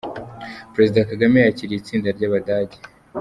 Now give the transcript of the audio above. Perezida Kagame yakiriye itsinda ry’Abadage